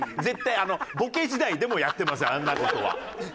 絶対あのボケ時代でもやってませんあんな事は。